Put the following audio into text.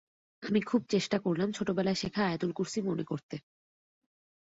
আমি খুব চেষ্টা করলাম ছোটবেলায় শেখা আয়াতুল কুরসি মনে করতে।